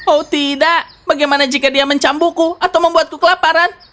oh tidak bagaimana jika dia mencambuku atau membuatku kelaparan